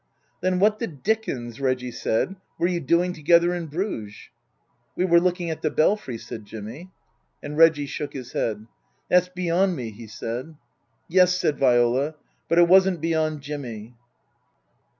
" Then what the dickens," Reggie said, " were you doing together in Bruges ?"" We were looking at the Belfry," said Jimmy. And Reggie shook his head. " That's beyond me," he said. " Yes," said Viola. " But it wasn't beyond Jimmy."